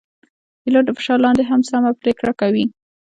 پیلوټ د فشار لاندې هم سمه پرېکړه کوي.